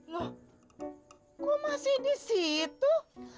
loh gue masih di situ